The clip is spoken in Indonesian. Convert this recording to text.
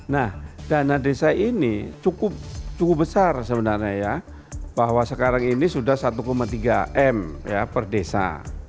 nah dana desa ini cukup besar sebenarnya ya bahwa sekarang ini sudah satu tiga m per desa